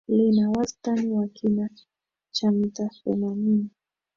Lina wastani wa kina cha mita themanini